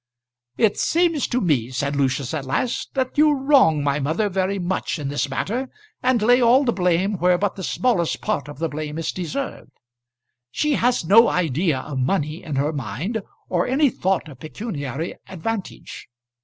"It seems to me," said Lucius at last, "that you wrong my mother very much in this matter, and lay all the blame where but the smallest part of the blame is deserved. She has no idea of money in her mind, or any thought of pecuniary advantage.